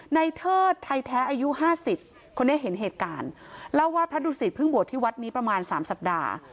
ในเทิดไทยแท้อายุ๕๐คนเนี่ยเห็นเหตุการณ์เล่าว่าพระดูศิษย์เพิ่งบวชที่วัดนี้ประมาณ๓สัปดาห์